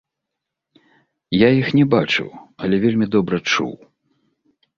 Я іх не бачыў, але вельмі добра чуў.